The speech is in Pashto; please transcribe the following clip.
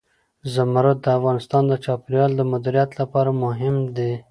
زمرد د افغانستان د چاپیریال د مدیریت لپاره مهم دي.